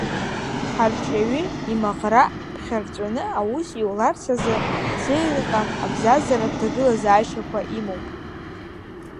Ҳарҿиаҩы имаӷра ԥхьарҵәаны аус иуларц азы зеиӷьыҟам абзазаратә ҭагылазаашьақәа имоуп.